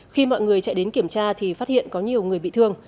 khi mọi người chạy đến kiểm tra thì phát hiện có nhiều người bị thương